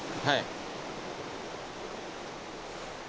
はい。